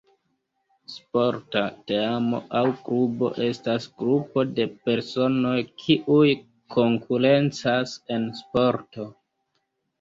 Sporta teamo aŭ klubo estas grupo de personoj kiuj konkurencas en sporto.